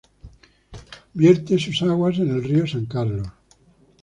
Vierte sus aguas en el río San Carlos.